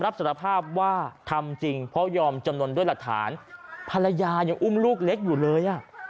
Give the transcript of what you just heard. รับสารภาพว่าทำจริงเพราะยอมจำนวนด้วยหลักฐานภรรยายังอุ้มลูกเล็กอยู่เลยอ่ะ